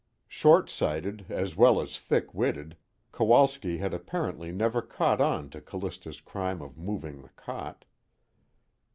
Short sighted as well as thick witted, Kowalski had apparently never caught on to Callista's crime of moving the cot.